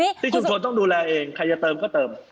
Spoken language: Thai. ที่ชุมชนต้องดูแลเองใครจะเติมก็เติม